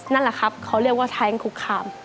นั่นแหละครับเขาเรียกว่าแท้งคุกคาม